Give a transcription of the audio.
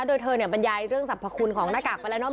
โดยเธอเนี่ยบรรยายเรื่องสรรพคุณของหน้ากากไปแล้วเนอ